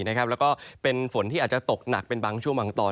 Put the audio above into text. แล้วก็เป็นฝนที่อาจจะตกหนักเป็นบางช่วงบางตอน